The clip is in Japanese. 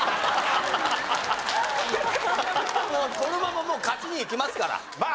もうこのままもう勝ちにいきますから。